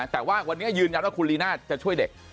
แต่ว่าวันนี้ยืนยันว่าคุณลีน่าจะช่วยเด็ก